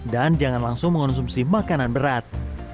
dan jangan langsung mengonsumsi makanan berat